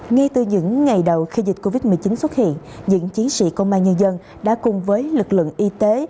ngay từ những ngày đầu khi dịch covid một mươi chín xuất hiện những chiến sĩ công an nhân dân đã cùng với lực lượng y tế